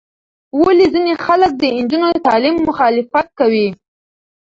ولې ځینې خلک د نجونو د تعلیم مخالفت کوي؟